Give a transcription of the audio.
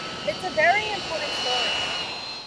It's a very important story.